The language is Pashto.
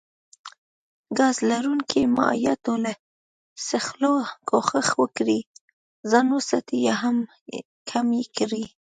ګاز لرونکو مايعاتو له څښلو کوښښ وکړي ځان وساتي يا يي هم کم کړي